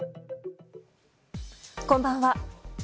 こんばんは。